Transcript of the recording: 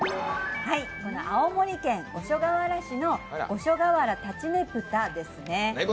青森県五所川原市の五所川原立佞武多ですね。